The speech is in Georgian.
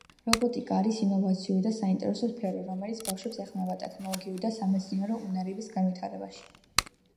რობოტიკა არის ინოვაციური და საინტერესო სფერო, რომელიც ბავშვებს ეხმარება ტექნოლოგიური და სამეცნიერო უნარების განვითარებაში